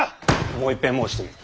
もういっぺん申してみよ。